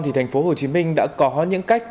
thì thành phố hồ chí minh đã có những cách